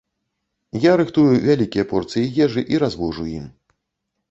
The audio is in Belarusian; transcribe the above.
Я рыхтую вялікія порцыі ежы і развожу ім.